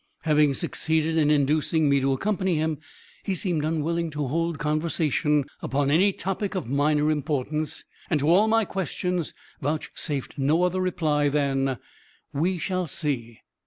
Having succeeded in inducing me to accompany him, he seemed unwilling to hold conversation upon any topic of minor importance, and to all my questions vouchsafed no other reply than "we shall see!"